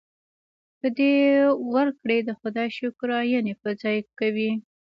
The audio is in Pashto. په دې ورکړې د خدای شکرانې په ځای کوي.